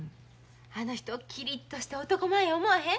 あの人きりっとして男前や思わへん？